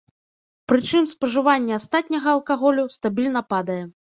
Прычым, спажыванне астатняга алкаголю стабільна падае.